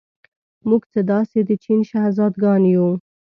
موږ څه داسې د چین شهزادګان یو.